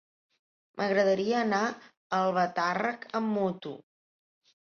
M'agradaria anar a Albatàrrec amb moto.